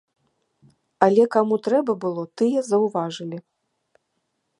Але каму трэба было, тыя заўважылі.